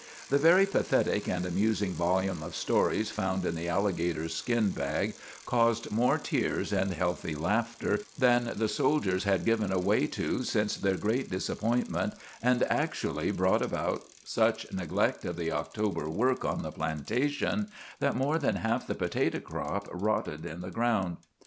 The very pathetic and amusing volume of stories found in the alligator skin bag caused more tears and healthy laughter than the soldiers had given way to since their great disappointment, and actually brought about such neglect of the October work on the plantation that more than half the potato crop rotted in the ground.